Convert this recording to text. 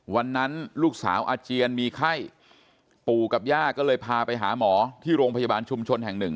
วันนั้นลูกสาวอาเจียนมีไข้ปู่กับย่าก็เลยพาไปหาหมอที่โรงพยาบาลชุมชนแห่งหนึ่ง